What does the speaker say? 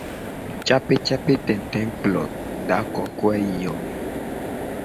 Capecapetete kplo da kokoe yi yo me.